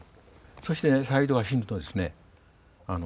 そしてねサイードが死ぬとですね